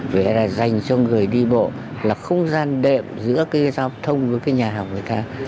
vậy là dành cho người đi bộ là không gian đệm giữa cái giao thông với cái nhà học người ta